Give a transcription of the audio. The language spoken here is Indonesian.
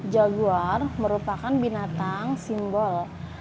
jaguar merupakan binatang simbol